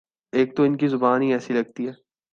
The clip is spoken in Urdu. ایک تو ان کی زبان ہی ایسی لگتی ہے۔